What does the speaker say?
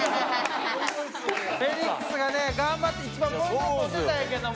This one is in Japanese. フェニックスがね頑張って一番ポイント取ってたんやけども。